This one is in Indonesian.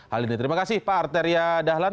hal ini terima kasih pak arteria dahlan